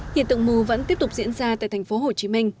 hiện tượng mù vẫn tiếp tục diễn ra tại tp hcm